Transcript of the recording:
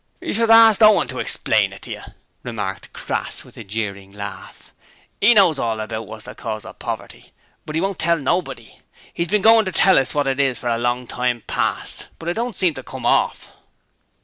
'You should ast Owen to explain it to yer,' remarked Crass with a jeering laugh. ''E knows all about wot's the cause of poverty, but 'e won't tell nobody. 'E's been GOIN' to tell us wot it is for a long time past, but it don't seem to come orf.'